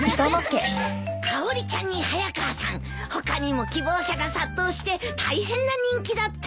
かおりちゃんに早川さん他にも希望者が殺到して大変な人気だったよ。